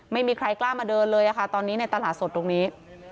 ไม่มีใครกล้ามาเดินเลยค่ะตอนนี้ในตลาดสดตรงนี้